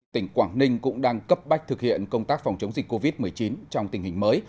tỉnh quảng ninh cũng đang cấp bách thực hiện công tác phòng chống dịch covid một mươi chín trong tình hình mới